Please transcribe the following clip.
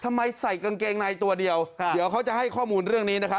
ใส่กางเกงในตัวเดียวเดี๋ยวเขาจะให้ข้อมูลเรื่องนี้นะครับ